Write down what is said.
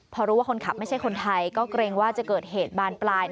พอรู้ว่าคนขับไม่ใช่คนไทยก็เกรงว่าจะเกิดเหตุบานปลาย